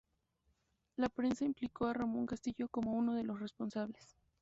La prensa implicó a Ramón Castillo como uno de los responsables.